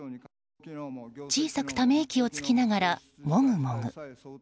小さくため息をつきながらモグモグ。